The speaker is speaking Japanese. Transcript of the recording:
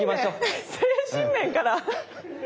精神面から？